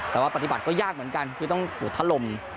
แต่ว่าปฏิบัติก็ยากเหมือนกันคือต้องอุดทะลม